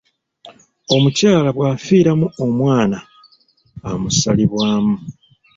Omukyala bwafiiramu omwana, amusalibwamu.